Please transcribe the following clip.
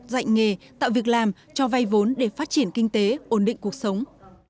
dạy nghề tạo việc làm cho vay vốn để phát triển kinh tế ổn định cuộc sống